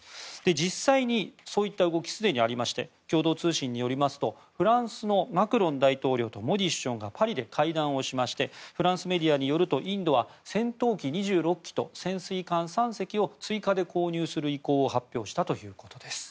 実際にそういった動きすでにありまして共同通信によりますとフランスのマクロン大統領とモディ首相がパリで会談をしましてフランスメディアによるとインドは戦闘機２６機と潜水艦３隻を追加で購入する意向を発表したということです。